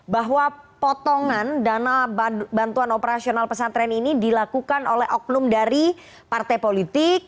bahwa potongan dana bantuan operasional pesantren ini dilakukan oleh oknum dari partai politik